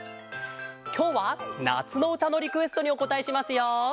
きょうはなつのうたのリクエストにおこたえしますよ。